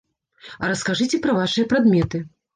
А раскажыце пра вашыя прадметы.